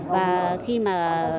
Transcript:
và khi mà